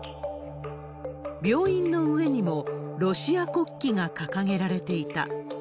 病院の上にも、ロシア国旗が掲げられていた。